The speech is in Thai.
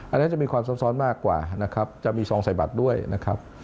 อันนี้จะมีความซับซ้อนมากกว่านะครับจะมีซองใส่บัตรด้วยนะครับ